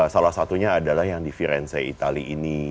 salah satunya adalah yang di virenze itali ini